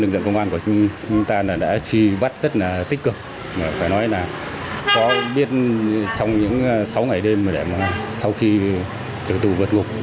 đã truy bắt rất là tích cực phải nói là có biết trong những sáu ngày đêm để mà sau khi tử tù vượt ngục